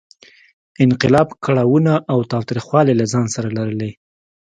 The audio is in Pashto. انقلاب کړاوونه او تاوتریخوالی له ځان سره لرلې.